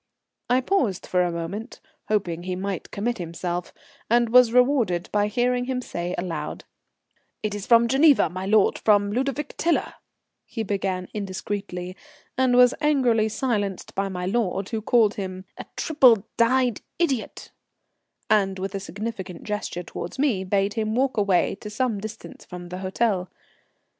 I paused for a moment, hoping he might commit himself, and was rewarded by hearing him say aloud: "It is from Geneva, my lord, from Ludovic Tiler," he began indiscreetly, and was angrily silenced by my lord, who called him "a triple dyed idiot," and with a significant gesture towards me bade him walk away to some distance from the hotel.